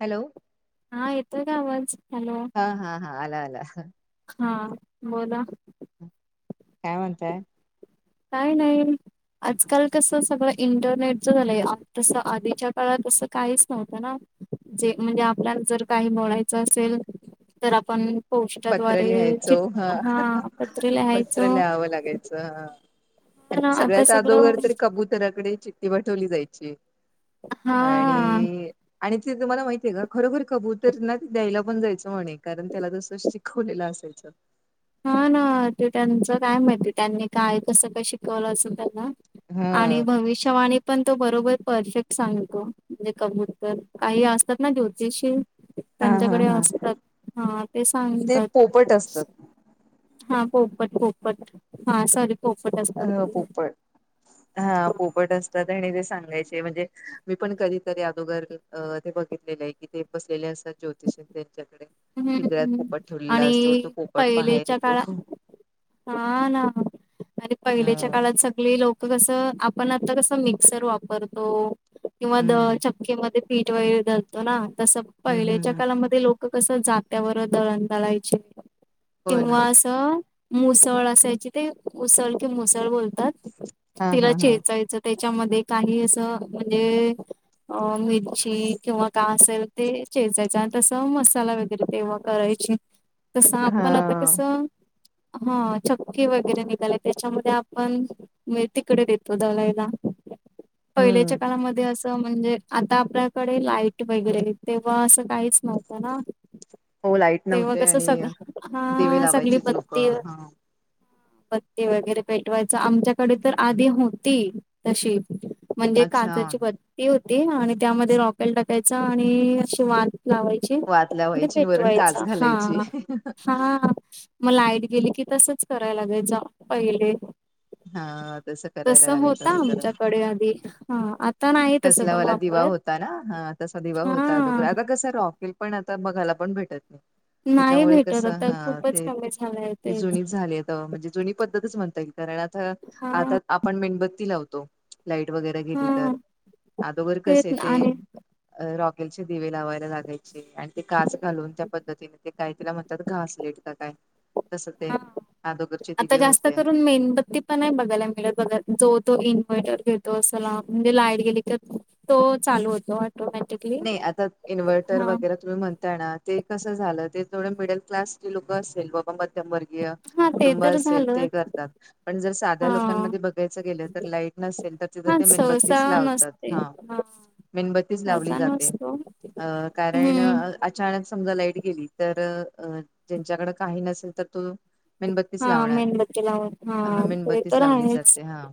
Hello. हा येतोय का आवाज हॅलो? हा हा हा आला आला. हा बोला... काय म्हणता. काय नाहीय.. आजकाल कसं सगळं इंटरनेटच झालंय तसं आधीच्या काळात असं काहीच नव्हतं ना... जे म्हणजे आपल्याला जर काही बोलायचं असेल तर आपण. पत्र पौष्टाद्वारे च लिहायचो हा पत्र लिहायचं.. अस आणि आता सगळ्यात सगळं अदोघर तरी कबुतराकडे चिट्ठी ती वाठवली जायची हा आणि आणि त तुम्हाला माहितीय का खरोखर. कबूतर ना त द्यायला पण जायचं म्हणे कारण त्याला.. तसं शिकवलेलं असायचं हा ना ते त्यांचं काय माहिती त्यांनी काय कसं काय शिकवलं असे. त्यांना. ह आणि भविष्यवाणी.. पण तो बरोबर परफेक्ट सांगतो म्हणजे कबूतर काही असतात. ना ज्योतिषी. हा हा त्यांच्याकडे हा असतात हा ते ते पोपट सांगतात.... असतात हा पोपट पोपट हा सॉरी. पोपट. असतात अ ते. पोपट.. हा पोपट असतात आणि ते सांगायचे म्हणजे मी पण कधीतरी अदोगर... अ ते बघितलेले आहे कि ते बसलेले असतात ज्यतिषी त्यांच्याकडे. पिंजऱ्यात हम्म पोपट ठेवलेला असतो तो आणि पोपट बाहेर पहिलेच्या येतो.. काळात हा ना आणिे पहिलेच्या हम्म काळात सगळे लोक. कस आपण आता कस मिक्सर वापरतो किंवा. हम्म पीठ वगैरे धळतो ना तस हम्म हम्म पहिल्याच्या हम्म. काळामध्ये लोक-.. - कसं जात्यावर दळण दळायचे हो ना किंवा असं... मुसळ असायची ते मुसळ कि मुसळ बोलतात हा तिला हा हा चेचायचं... त्याच्यामध्ये काही असं म्हणजे... अ मिरची किंवा काय असेल ते चेजायचं आणि तसं मसाला वगैरे तेव्हा करायची.... ह... तसं आपण आता कसं हा चक्कीे वगैरे निघाले त्याच्यामध्ये आपण... म तिकडे देतो दळायला हम्म पहिल्याच्या काळामध्ये अस.... म्हणजे आता आपल्याकडे लाईट वगैरे तेव्हा असं काहीच नव्हतं ना..... हो लाईट तेव नव्हते कस आणि सग हा दिवे सगळी लावायचीच ब.. लोक बत्ती हा वगैरे पेटवायचं आमच्याकडे तर आधी होती..... तशी म्हणजे अच्छा काचाची बत्ती.... ती होती आणि त्यामध्ये रॉकेल टाकायचा आणि अशी वात लावायची...... वातल्या व्हायची आणि वरून काच पेटवायचा हा घालायची हा.. मग लाईट गेली की तसच करायला लागेल जा पहिले.. हा तसं तस करायला लागायचं होता अदोगर आमच्याकडे आधी हा आता.... नाही तसं तसला कोण मला दिवा वापरत होता ना ह तसा दिवा होता दोघ हा आ कस रॉकेल..... पण आता बघाला पण भेटत नाही..... नाही त्याच्यामुळे भेटत कस आता हा खूपच ते कमी झालंय तेच जुनी झाले... म्हणजे जुनी पद्धतच म्हणता की कारण आता हा आता आपण मेणबत्ती लावतो.. लाईट वगैरे गेली हा तर अदोघर कस आहे तेच ते.. आणि रॉकेलचे दिवे लावायला लागायचे आणि ते काच घालून त्या पद्धतीने ते काही तिला म्हणतात घासले... काय तस ते... हा अदोगरचे आता दिवे जास्त होते. करून मेनबत्ती... नाही बघायला मिळत बघ जो तो इन्व्हर्टर घेतो असला म्हणजे लाईट गेली तर.... तो चालू होतो..... ऑटोमॅटिकली नाही आता इन्व्हर्टर हा वगैरे... तुम्ही म्हणताय ना ते कस झालं ते थोड मिडल क्लास लोक असेल... मध्यमवर्गीय हा ते कुटुंब तर असेल ते झालंच करतात पण जर साध्या हा लोकांमध्ये बघायचं गेलं तर लाईट नल तर तिथं हा ते सहसा मेणबत्तीच लावतात नसते हा मेणबत्ती लावली..... सहसा नसतो कारण हम्म अचानक समजा लाईट गेली तर अ ज्यांच्याकड काही नसेल तर तो मेणबत्तीस हा लावणार मेणबत्ती लावून हा ह ते मेणबत्तीस तर लावली आहेच जाते हा.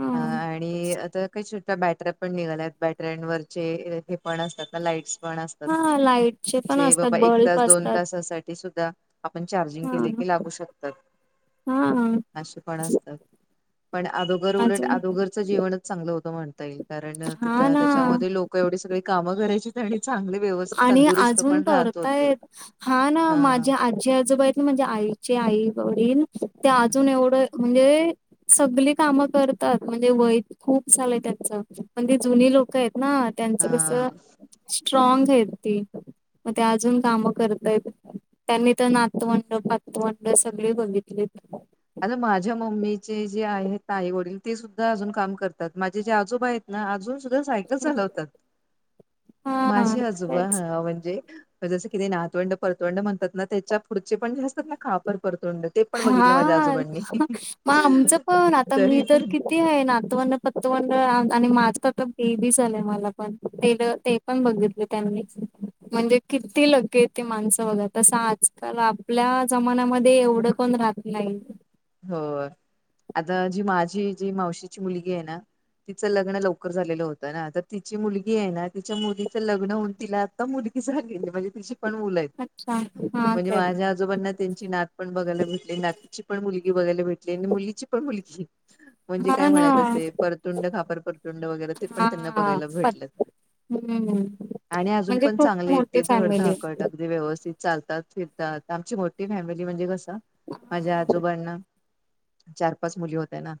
हा ह. आणि आता काही छोट्या बॅटऱ्या पण निघल्यात बॅटऱ्यांवररचे हे पण असतात ना लाईट्स पण असत. हा लाईटचे पण ते असतात बाबा एक बल्ब तास दोन असतात तसासाठी सुद्धा आपण चार्जिंग हा केले की लागू शकतो. हा अस पण असतात पण अदोगर उलट अजून आोर जीवनच चांगलं होत म्हणता येईल कारण हा तिथं ना त्याच्यामध्ये लोक एवढे सगळे काम करायची चांगले व्यवस्थित आणि तंदुरुस्त अजून पण राहत होते. करतायेत हा ना माझी आजी आजोबाई म्हणजे आईचे आई वडील ते अजून एवढं म्हणजे सगली काम करतात म्हणजे वय खूप झाल त्यांच पण ते जुनी लोक आहेत ना त्यांच कस हा स्ट्र त मग ते अजून काम करताय. त्यांनी तर नातवंड पातवंड सगळे बघितली. आता माझ्या मम्मीचे जे आहेत ताई वडील ते सुद्धा अजून काम करतात माझे जे आजोबा आहेत. ना अजून सुद्धा सायकल चालवतात हा माझे तेच आजोबा म्हणजे जसं कि ते नातवंड परतवंड म्हणतात ना त्याच्या पुढचे पण जे असतात ना कापर परतवंड ते पण बघितलं माझ्या हा आजोबांनी मग आमचं पणण आता मी तरी तर पण किती? नातव पतवनन आणि माझं आ बेबी झालय मला पण ते ते पण बघितले त्यांनी म्हणजे किती लगेेते माणसं बघा तसं आजकाल आपल्या जमान्यामध्ये एवढं. कोण राात लाल. हो आता जी माझी जी मावशीची मुलगी आहे ना. तिचं लग्न लवकर झालेलं होतं ना तर तिची मुलगी आहे ना तिच्या मुलीचं लग्न होऊन तिला मुलगीगेली म्हणजे ति पण मुलं आहेत अच्छा हा म्हणजे काय माझ्या ोबांना त्यांची नात पण बघायला भेटली नाची पण मुली मुी बघायला भेटली आणि मुलीची पण मुलगी म्हणजे काय हा ना म्हणायचं ते परतुंड खापर परतुंड वगैरे ते पण त्यांना हा बघायला पत भेटलं. हम्म आणि अजून म्हणजे पण खूप चांगले आहेत मोठी ते धडधा फॅमिली कडक व्यवस्थित चालतात फिरतात आमची मोठी फॅमिली म्हणजे कसं माझ्या आजोबांना चार पाच मुली होत ना.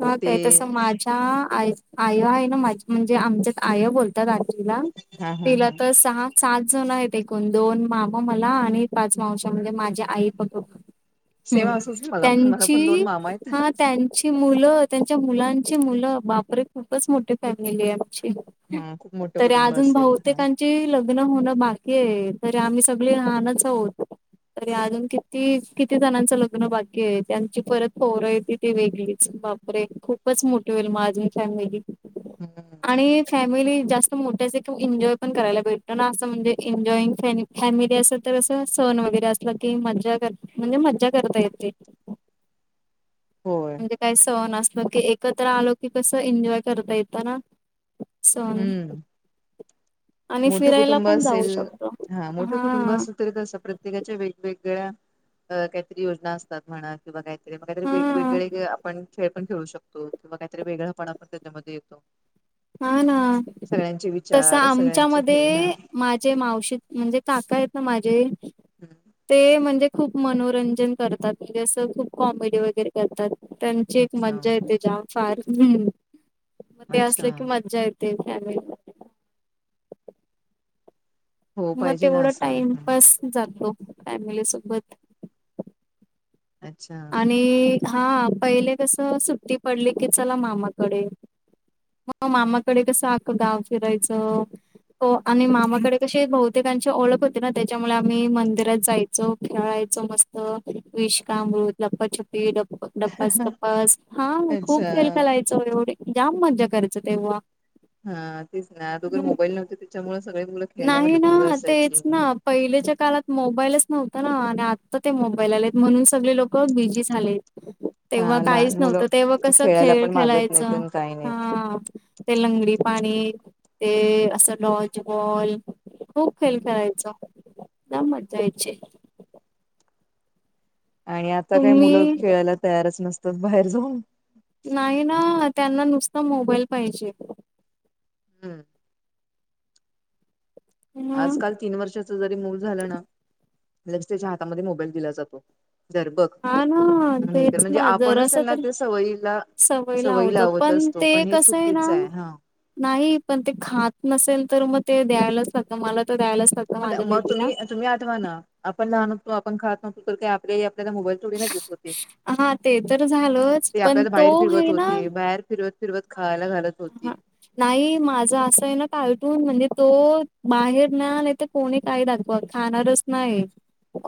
मग ह ते काय तसं माझ्या आई आय आहे ना माझी म्हणजे आमच्याच आय बोलत. ला हा हा तिला हा तर सहा. सात जण आहेत एकूण दोन मामा मला आणि पाच मावच्या म्हणजे माझ्या आई प सेम हम् असंच मला पण मला पण त्यांची दोन मामा आहेत हा त्यां ची मुलं त्यांच्या मुलांची मुलं बापरे खूपच मोठी फॅमिली आहे आमची हा खूप मोठं तरी कुटुंब अजून असेल हा. बहुतेकांची लग्न होणं बाकी आहे तर आम्ही सगळे लहानच आहोत. तरी अजून किती किती जणांचं लग्न बाकी्य आहे त्यांची परत फोर य त ती वेगळी. बापरे खूपच मोठी होईल माझी फॅमिली हम्म आणि फॅमिली जास्त मोठ्या एन्जॉय पण करायला भेटतो ना असं म्हणजे एन्ॉइंग फॅ फॅमिली अस तर असं सण वगैरे असला की मज्जा कर म्हणजे मज्जा करता येते. होय म्हणजे काही सहन असल की एकत्र आलो की कस एन्जॉय करता येतं ना. सन हम्म आणि मोठं फिरायला कुटुंब पण जाऊ असेल शकतो मोठं कुटुंब हा. असेल प्रत्येकाच्या वेगवेगळ्या काहीतरी योजना असतात म्हणा किंवा का? मग काहीतरी हा वेगवेगळे आपण खेळ पण खेळू शकतो किंवा काहीतरी वेगळापणा पण त्याच्यामध्ये येतो हा ना सगळ्यांचे तस विचार सगळ्यांचे हे हा आमच्यामध्ये माझे मावशी म्हणजे काका आहेत ना माझे ते म्हणजे खूप मनोरंजन करतात म्हणजे असं खूप कॉमेडी वगैरे करतात त्यांची एक अच्छा मज्जा येते जा फार मग ते अच्छा असले मजा येते फॅमिली हो मग पाहिजे ना तेवढा असं टाइमपास जातो फॅमिली सोबत अच्छा आणि हा पहिले कसं सुट्टी पडली की चला मामाकडे मग मामाकडे कसं आखं गाव फिरायचं हो आणि मामाकडे कशी बहुतेकांची ओळख होती ना त्याच्यामुळे आम्ही मंदिरात जायच. खेळायच मस्त विषकामृत लपछपी डपप डपास टपास हा अच्छा खूप खेळ खेलाय. एवढे जाम मजा करायचं तेव्हा हा तेच ना तुगर मोबाईल नव्हते त्याच्या सगळे मु नाही ना तेच ना. पहिलेच्या काळात मोबाईलच नव्हता ना आणि आत्ता ते मोबाईल आलेत म्हणून सगळे लोकं बिझी झालेत तेव्हा हा काहीच लहान मुलं नव्हतं तेव्हा कसं खेळायला खेळ पण मागत खेळायचं नाहीत आणि काही नाहीत हा ते लंगडी पाणी ते असं डॉज बॉल खूप खेल खेळायचो लई मज्जा यायची आणि आता काही मुलं तुम्ही खेळायला तयारच नसतात बाहेर जाऊन नाही ना त्यांना नुसतं मोबाईल पाहिजे हम्म हम्म आजकाल तीन वर्षाच जरी मूल झालं ना लगे त्याच्या हातामध्ये मोबाईल दिला जातो जर बघ हा ना नाही कर तेच म्हणजे ना आपणच जरास त्यांना तर त्या सवयीला सवय सवयी लावतो लावत असतो ते पण हे कसं चुकीच ना आहे हा नाही पण ते खात नसेल तर मग ते द्यायलाच लागतं मला तर द्यायलाच लागतं म माझ्या मग बेबीला. तुम्ही तुम्ही आठवा ना आपण लहान होतो आपण खात नव्हतो तर काही आपली आई आपल्याला मोबाईल थोडी ना देत होती हा ते तर झालंच ते पण आपल्याला तो बाहेर फिरवत हे ना होती बाहेर फिरवत फिरवत खायला घालत होते हा नाही माझं असं आहे ना कारटून म्हणजे तो बाहेर नाय आले तर कोणी काय दाखवा खाणारच नाही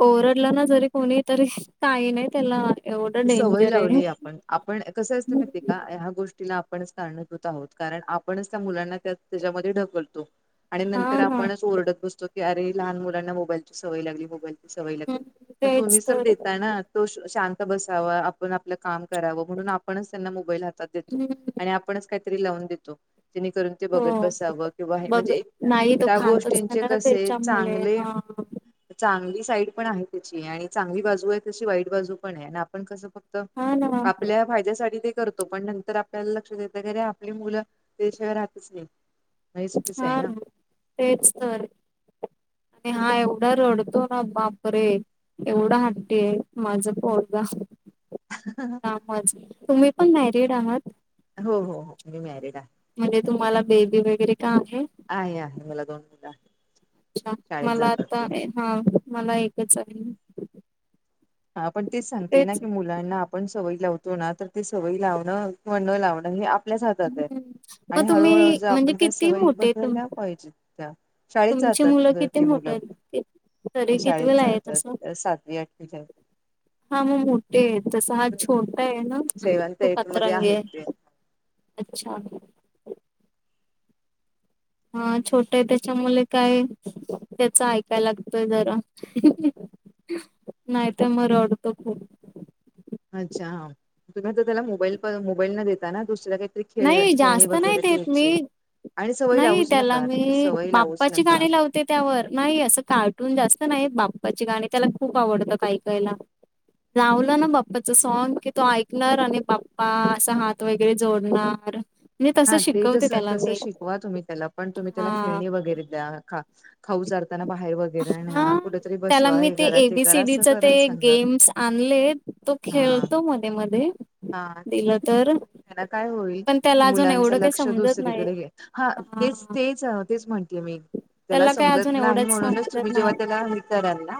ओरडला ना जरी कोणी तरी काही नाही त्याला एवढं सवय डेंजर आहे. लावलीये आपण आपण कसं असतंय माहिते का ह्या गोष्ट टीला आपणचं कारणीभूत आहोत कारण आपणच त्या मुलांना त्या त्याच्यामध्ये ढकलतो आणि नंतर हा ना आपणच ओरडत बसतो की अरे लहान मुलांना मोबाईलची सवय लागली मोबाईल सवय हम्म, लागली पण तेच तुम्हीच तर देताय ना तो शांत बसावं आपण आपलं काम करावं म्हणून आपणच त्यांना मोबाईल हातात देतो हम्म, आणि आपणच काहीतरी लावून देतो जेणेकरून ते हो बघत बसावं किंवा हे बघ म्हणजे नाही तो त्या खातच नाही गोष्टींचे ना कसे त्याच्यामुळे चांगले हा चांगली साईड पण आहे त्याची आणि चांगली बाजू आहे तशी वाईट बाजू पण आहे आणि आपण कसं फक्त हा ना. आपल्या फायद्यासाठी ते करतो पण नंतर आपल्याला लक्षात येतं की अरे आपली मुलं त्याशिवाय राहतच नाही म्हणजे चुकीचं हा आहे ना तेच तर आणि हा एवढा रडतो ना बापरे एवढं हट्टी आहे माझं पोरगा हा मज तुम्ही पण मॅरीड आहात हो हो हो मी मॅरिड आहे म्हणजे तुम्हाला बेबी वगैरे का आहे? आहे आहे मला दोन मुलं आहे. अच्छा मला आता हा मला एकच आहे. हा पण तेच सांगते ना की मु मुलांना आपण सवयी लावतो ना तर ती सवयी लावनं किंवा न लावनं हे आपलं आपल्याच हातात आहे. हम्म मग आणि हळूहळू तुम्ही जर म्हणजे आपण त्या किती सवयी मोठे तुम बदल्या. होय जी, त्या शाळेत तुमची मुलं जातात किती ती मोठे मुलं, आहेत तरी शाळेत कितवीला आहे जातात. तसं सातवी आठवी [unintelligible] हा मग मोठे आहेत. तस हा छोटा आहे ना सेव्हन्थ तो एट मध्ये पतरंगी आहेत ते. आहे. अच्छा, हा छोट आहे त्याच्या मुळ काय, त्याच ऐकाय लागतय जरा. नाही तर मग रडतो खूप. अच्छा हा, तुम्ही आता त्याला मोबाईल प मोबाईल न देता ना दुसऱ्या काही, खेळ नाही खेळणी जास्त नाही वगैरे देत मी द्यायची. आणि सवयी नाही लावूच नका, सवयी लावूच नका. ते त्यावर नाही असं कार्टून जास्त नाही. बाप्पाची गाणी त्याला खूप आवडतात ऐकायला. लावल ना बाप्पाच सॉंग की, तो ऐकणार आणि बाप्पा असा हात वगैरे जोड णार. हा ते त तस, शिकवा तुम्ही त्याला पण तुम्ही हा त्याला खेळणी वगैरे द्या. खाऊ चारताना बाहेर वै हा.. त्याला मी ते करा असं एबीसीडीच ते करायला सांगा. गेम्स आणलेत. तो हा. खेळतो मध्ये मध्ये. हा ते दिलं करायच तर त्यान काय होईल. पण त्याला अजून मुलांच एवढं काही लक्ष समजत नाही दुसरीकडे घे, हा तेच तेच तेच म्हणते मी. त्याला काय समजत अजून नाही. एवढंच म्हणूनच समजत तुम्ही नाही जेव्हा त्याला, कराल ना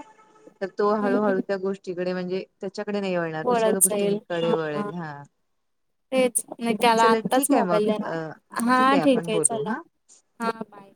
तर तो हम्म हळूहळू त्या गोष्टीकडे म्हणजे, त्याच्याकडे नाही वळणार. दुसऱ्याचं वळत जाईल हा गोष्टींकडे वळेल हा, तेच नाही त्याला चला आत्ताच ठीक आहे मोबाईल मग देणार, अ हा ठीक आपण आहे बोलू चला. हा हा बाय.